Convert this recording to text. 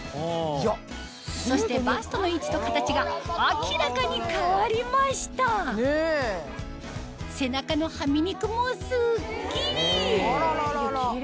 そしてバストの位置と形が明らかに変わりました背中のハミ肉もスッキリ！